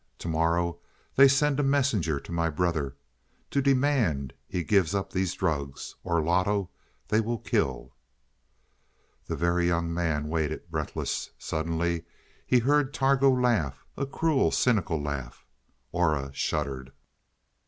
To morrow they send a messenger to my brother to demand he give up these drugs or Loto they will kill." The Very Young Man waited, breathless. Suddenly he heard Targo laugh a cruel, cynical laugh. Aura shuddered.